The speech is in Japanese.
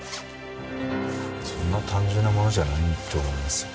そんな単純なものじゃないと思いますよ。